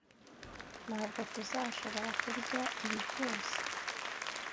Ntabwo tuzashobora kurya ibi byose.